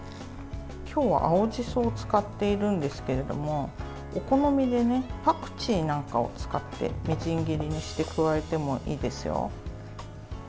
今日は青じそを使っているんですけどお好みでパクチーなんかを使ってみじん切りにして加えてもいいですよ。